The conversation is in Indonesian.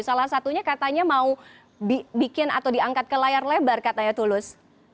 salah satunya katanya mau bikin atau diangkat ke layar lebar katanya tulus